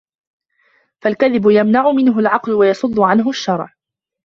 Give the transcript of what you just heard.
فَالْكَذِبُ يَمْنَعُ مِنْهُ الْعَقْلُ وَيَصُدُّ عَنْهُ الشَّرْعُ